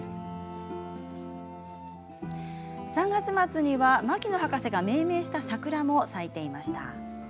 ３月末には牧野博士が命名した桜も咲いていました。